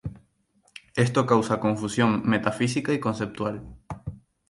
Esto causa confusión metafísica y conceptual.